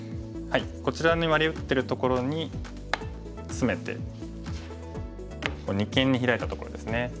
こちらにワリ打ってるところにツメて二間にヒラいたところですね。